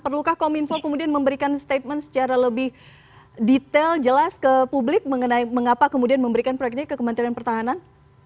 perlukah kominfo kemudian memberikan statement secara lebih detail jelas ke publik mengenai mengapa kemudian memberikan proyeknya ke kementerian pertahanan